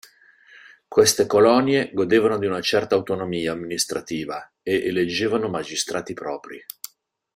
Queste colonie godevano di una certa autonomia amministrativa e eleggevano magistrati propri.